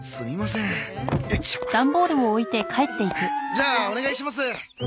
じゃあお願いします。